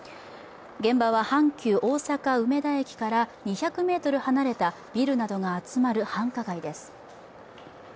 現場は、阪急・大阪梅田駅から２００ｍ離れたビルなどが集まる繁華街です。